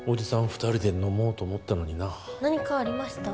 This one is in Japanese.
二人で飲もうと思ったのにな何かありました？